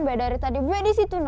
biar dari tadi buat disitu